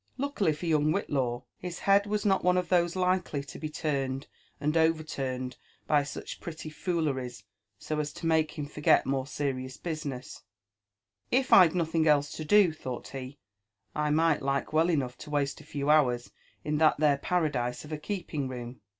Luckily for young Whitlaw, his head was not one of those likely to be turned and over turned by such pretty fooleries so as to make him forget more serious business* '* If Fd nothing else to do," thought he, ''I might like well enough to waste a few hours in that there paradise of a keeping room.